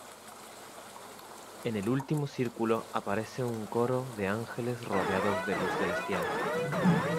En el último círculo aparece un coro de ángeles rodeados de luz celestial.